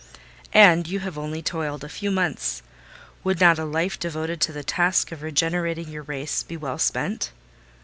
"And you have only toiled a few months! Would not a life devoted to the task of regenerating your race be well spent?"